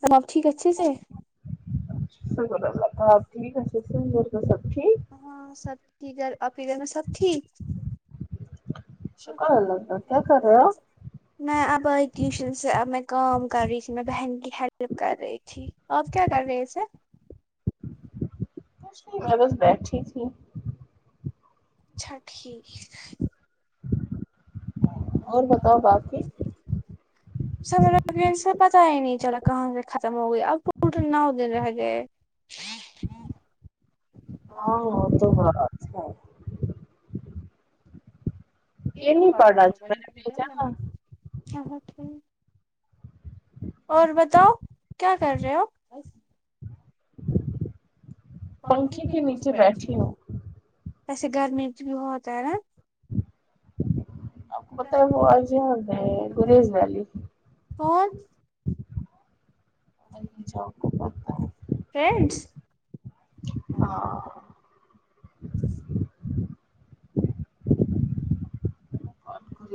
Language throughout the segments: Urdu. سب آب ٹھیک اچھے سے سر ال تھا ٹھیک ہاں سب ت گھر اپ گھر میں سب تھییک شکر اللہہ کیا کر رہے ہو میں اب آئی ٹیوشن سے اب میں کام کر رہی تھی میں بہن کی ہیلپ کر رہی تھی آپ کیا کر رہے تھے چھ میں بس بیٹھی تھی اچھا ٹھیک ناقابل فہم گفتگو سر لوگ سے پتا ہی نہیں چلا کہاں سے ختم ہو گئی اب پٹ نو دن رہ گئے ہاں وہ تو بچھ یہ نہیں پا ب ج چلوٹ اور بتاؤ کیا کر رہے ہو پنکھے کے نیچے بیٹھی ہوں ویسے گرمی بھی بہت ہے نا مت ہو جی ہو گ ہے گریز ویلی کون اچھا فرینڈس ہاں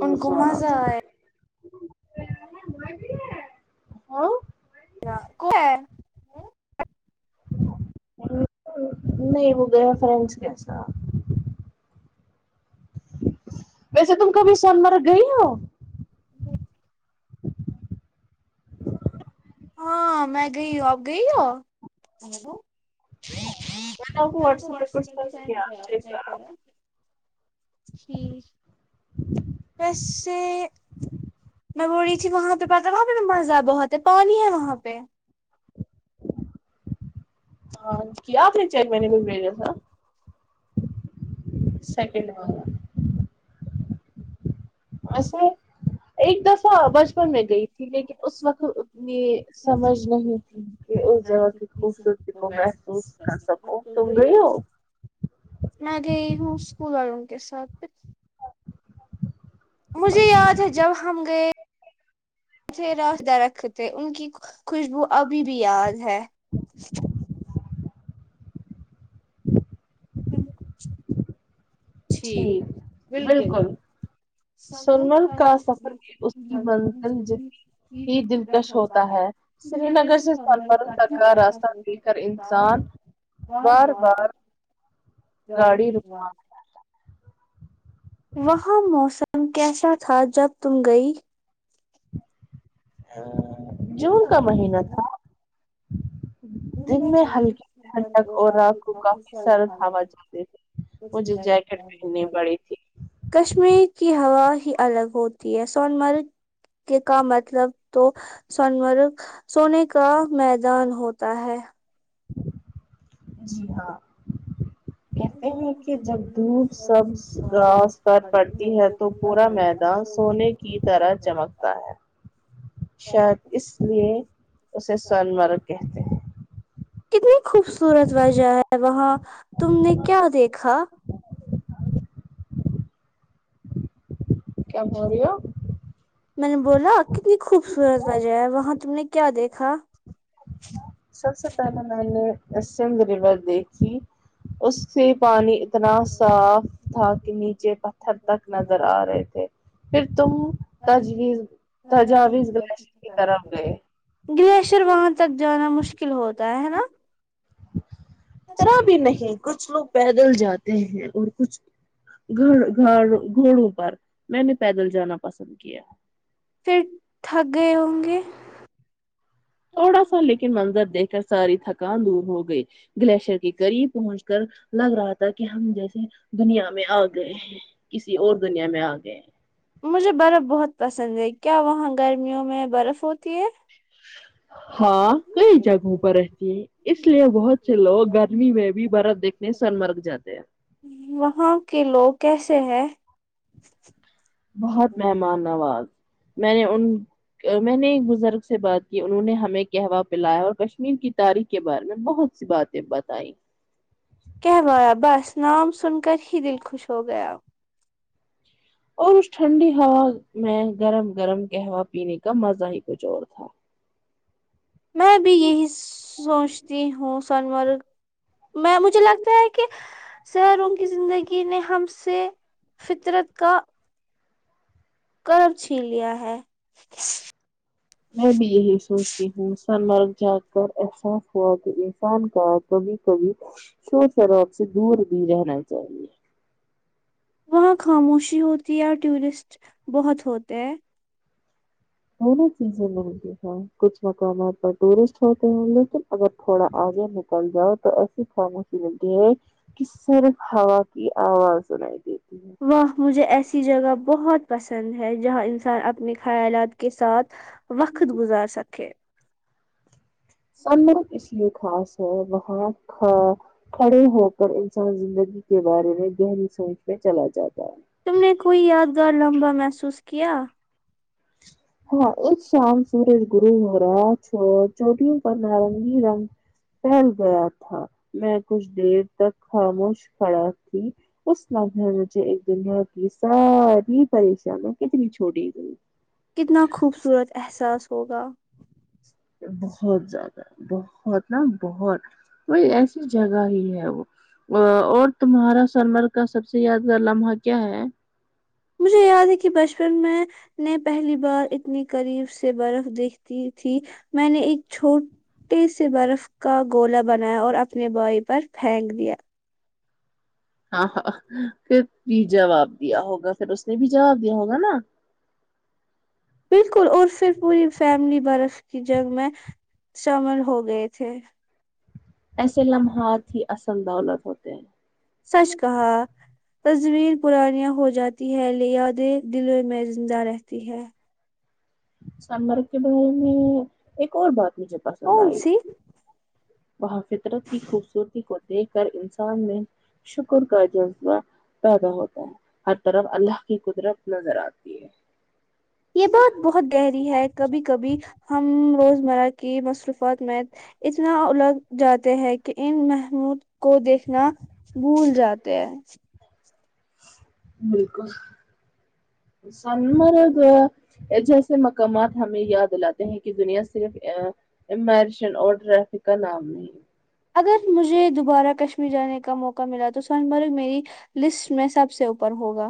ان گھوما جائے ہمم [unintelligible] نہیں وہ گیا فرینڈس کے ساتھ ویسے تم کبھی سونمارگ گئی ہو ج ہاں میں گئی ہو آپ گئی ہو مینے تو واٹسپ پہ بھی سینڈ کرا جی ویسے میں بو رہی تھی وہاں پہ پاتا وہاں پہ بھی مزہ بہت ہے پانی ہے وہاں پہ ہاں کیا آپ نے چیک مہینے کو بھیجا تھا سیکنڈ والا اے ایک دفعہ بچپن میں گئی تھی لیکن اس وقت اتنی سمجھ نہیں اس جگہ کی خوبصورتی کو محسوس کر سکو تم گئی ہو میں گئی ہوں اسکول والوں کے ساتھ مجھے یاد ہے جب ہم گئے تھے راست دہ رکھ تھے ان کی خوشبو ابھی بھی یاد ہے ہ بلکل ٹھیک بلکل سنمل کا سفر اس کی منزل ج ہی دلکش ہوتا ہے سری نگر سے سوناروں تک کا راستہ دیکھ کر انسان بار بار چالی بسوات وہاں موسم کیسا تھا جب تم گئی جون کا مہینہ تھا دن میں ہلکی ٹنھڈک اور رات کو کافی سرد ہوا جاتی ہے مجھے جیکٹ پہننی پڑی تھی کشمیر کی ہوا ہی الگ ہوتی ہے سون مرگ کا مطلب تو سون مرگ سونے کا میدان ہوتا ہوتا ہے جی ہاں کہتے ہیں کہ جب دھوپ سبز گھاس پر پڑتی ہے تو پورا میدان سونے کی طرح چمکتا ہے شاید اس لیے اسے سون مرگ کہتے ہیں کتنی خوبصورت وجہ ہے وہاں تم نے کیا دیکھا کیا بول رہی ہو میں نے بولا کتنی خوبصورت وجہ ہے وہاں تم نے کیا دیکھا سب سے پہلے میں نے اسمباری ریور دیکھی اس سے پانی اتنا صاف تھا کہ نیچے پتھر تک نظر آ رہے تھے پھر تم تجویز تجاویز گش کی طرف گئے گلیشئر وہاں تک جانا مشکل ہوتا ہے ہے نا اتنا بھی نہیں کچھ لوگ پیدل جاتے ہیں اور کچھ گ گ گھوڑوں پر میں نے پیدل جانا پسند کیا پھر تھک گئے ہوں گے تھوڑا سا لیکن منظر دیکھ کر ساری تھکان دور ہو گئی گلیشئر کے قریب پہنچ کر لگ رہا تھا کہ ہم جیسے دنیا میں آ گئے ہیں کسی اور دنیا میں آ گئے مجھے برف بہت پسند ہے کیا وہاں گرمیوں میں برف ہوتی ہے ہاں کئی جگہوں پر رہتی ہے اس لیے بہت سے لوگ گرمی میں بھی برف دیکھنے سنمرگ جاتے ہیں وہاں کے لوگ کیسے ہیں بہت مہمان نواز میں نے ان میں نے ایک بزرگ سے بات کی انہوں نے ہمیں کہہوہ پلایا اور کشمیر کی تاریخ کے بارے میں بہت سی بات بتائی کہوایا بس نام سن کر ہی دل خوش ہو گیا اور اس ٹھنڈی ہوا میں گرم گرم کہہوہ پینے کا مزہ ہی کچھ اور تھا میں بھی یہی سوچتی ہوں سون مرگ میں مجھے لگتا ہے کہ شہروں کی زندگی نے ہم سے فطرت کا کرب چھین لیا ہے میں بھی یہی سوچتی ہوں سنمرجا احساس ہوا کہ انسان کا کبھی کبھی شور شرواب سے دور بھی رہنا چاہیے وہاں خاموشی ہوتی ہے اور ٹورسٹ بہت ہوتے ہیں بونوں چیزیں میں کچھ مقامات پر ٹورسٹ ہوتے ہیں لیکن اگر تھوڑا آگے نکل جاؤ تو ایسیم ملتی ہے کہ صرف ہوا کی آواز سنائی دیتی ہے وہ مجھے ایسی جگہ بہت پسند ہے جہاں انسان اپنے خیالات کے ساتھ وقت گزار سکے سونمر اس لیے خاص ہے وہاں کھڑے ہو کر انسان زندگی کے بارے میں گہری سوچ میں چلا جاتا ہے تم نے کوئی یادگار لمبا محسوس کیا ہاں ایک شام سورج گرو ہو رہا ہے چوٹیوں پر نارنگی رنگ پھیل گیا تھا میں کچھ دیر تک خاموش کھڑا تھی اس لمحے میں مجھے ایک دنیا کی ساری پریشانیاں کتنی چھوڑی تئی کتنا خوبصورت احساس ہوگا بہت زیادہ بہت نا بہت کوئی ایسی جگہ ہی ہے وہ اور تمہارا سرمر کا سب سے یادگار لمحہ کیا ہے مجھے یاد ہے کہ بچپن میں میں پہلی بار اتنی قریب سے برف دیکھتی تھی میں نے ایک چھوٹ ٹی سے برف کا گولا بنایا اور اپنے بھائی پر پھینک دیا ہاں ہاں پھر بھی جواب دیا ہوگا پھر اس نے بھی جواب دیا ہوگا نا بالکل اور پھر پوری فیملی برف کی جنگ میں شمل ہو گئے تھے ایسے لمحات ہی اصل دولت ہوتے ہیں سچ کہا تصویر پرانیا ہو جاتی ہے لیادیں دلوں میں زندہ رہتی ہے سمر کے بارے میں ایک اور بات مجھے پسند آئی وہاں فطرت کی خوبصورتی کو دیکھ کر انسان نے شکر کاجی اللہ پیدا ہوتا ہے ہر طرف اللہ کی قدرت نظر آتی ہے یہ بات بہت گہری ہے کبھی کبھی ہم روزمرہ کی مصروفات میں اتنا الگ جاتے ہیں کہ ان محمود کو دیکھنا بھول جاتے ہیں بالکل سنمارگ جیسے مقامات ہمیں یا دلاتے ہیں کہ دنیا صرف [unintelligible] کا نام نہیں اگر مجھے دوبارہ کشمیر جانے کا موقع ملا تو سونمرگ میری لسٹ میں سب سے اوپر ہوگا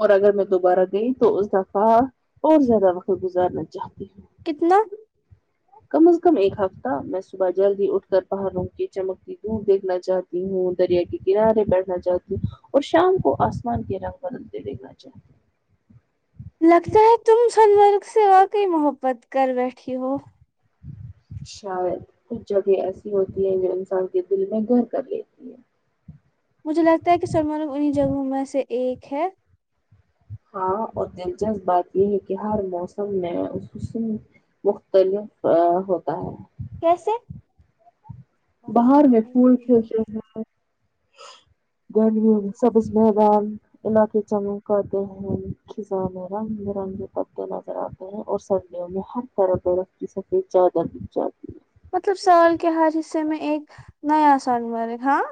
اور اگر میں دوبارہ گئی تو اس دفا اور زیادہ وقت گزارنا چاہتی ہوں کتنا کم از کم ایک ہفتہ میں صبح جلدی اٹھ کر پہاڑوں کے چمکتی دودھ دیکھنا چاہتی تی ہوں دریا کے کنارے بیٹھنا چاہتی ہوں اور شام کو آسمان کے رنگ بدلتے دیکھ نا چا لگتا ہے تم سونمرگ سے واقعی محبت کر بیٹھی ہو شاید کچھ جگہیں ایسی ہوتی ہیں جو انسان کے دل میں گھر کر لیتی ہیں مجھے لگتا ہے کہ سونمرگ انہیں جگہوں میں سے ایک ہے ہاں اور دلچسپ بات یہ ہے کہ ہر موسم میں اس مختلف ہوتا ہے کیسے باہر میں پھول کھیلتے ہیں گرمیوں سب اس میدان علاقے جم کرتے ہیں خزاں رنگ برنگے پتے نظر آتے ہیں اور سردیوں میں ہر طرح سفید چادر بچجاتی ہے مطلب سال کے ہر حصے میں ایک نیا سال مبارک ہاں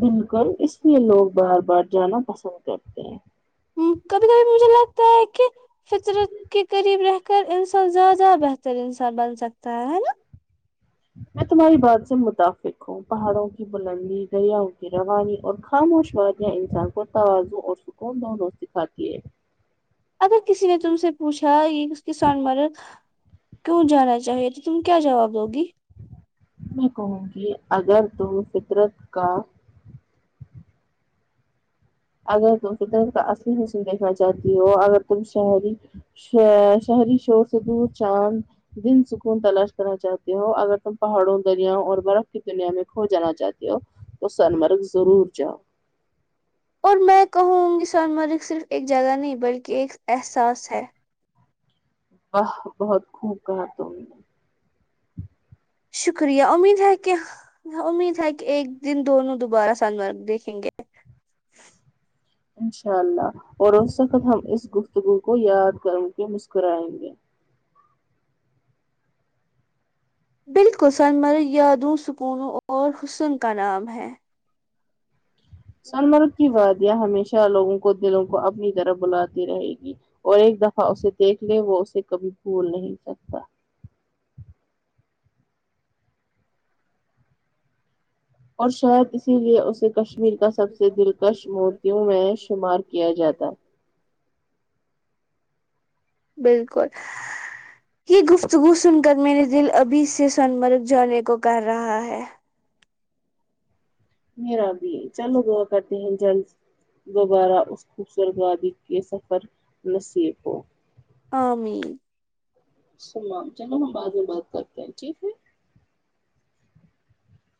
بالکل اس لیے لوگ بار بار جانا پسند کرتے ہیں کہتے ہے کے فطرت کے قریب رہ کر انسان زیادہ بہتر انسان بن سکتا ہے ہے نا میں تمہاری بات سے متفق ہوں پہاڑوں کی بلندی دریوں کی روانی اور خاموش وادیاں انسان کو توازوں اور سکون دونوں سکھاتی ہے اگر کسی نے تم سے پوچھا یہ اس کی سونمارگ کیوں جانا چاہیے تو تم کیا جواب دوگی میں کہوں گی اگر تم فطرت کا اگر تم فدرت کا اصلی اصول دیکھنا چاہتی ہو اگر تم شہری ش شہری شور سے دور چاند دن سکون تلاش کرنا چاہتے ہو اگر تم پہاڑوں دریوں اور برف کی گللیو میں کھو جانا چاہتے ہو تو سونمرگ ضرور جاؤ اور میں کہوں گی سونمرگ صرف ایک جگہ نہیں بلکہ ایک احساس ہے واہ بہت خوب کہا تم نے شکریہ امید ہے کہ امید ہے کہ ایک دن دونوں دوبارہ سونمرگ دیکھیں گے انشاءاللہ اور اس وقت ہم اس گفتگو کو یاد کر کے مسکرائیں گے بالکل سونمرگ یادوں سکونوں اور حسن کا نام ہے سونمرگ کی وادیاں ہمیشہ لوگوں کو دلوں کو اپنی طرف بلاتی رہے گی اور ایک دفعہ اسے دیکھ لے وہ اسے کبھی بھول نہیں سکتا اور شاید اسی لیے اسے کشمیر کا سب سے دلکش مورتیوں میں شمار کیا جاتا بالکل یہ گفتگو سن کر میرے دل ابھی سے سونمرگ جانے کو کر رہا ہے میرا بھی ہے چلو دعا کرتے ہیں جلد دوبارہ اس خوبصورت وادی کے سفر نصیب ہو امین سم امین چلو ہم بعد میں بات کرتے ہیں ٹھیک ہے